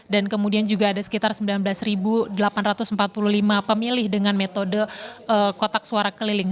dan kemudian juga ada sekitar sembilan belas delapan ratus empat puluh lima pemilih dengan metode kotak suara keliling